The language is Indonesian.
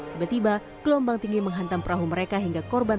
tiba tiba gelombang tinggi menghantam perahu mereka hingga korban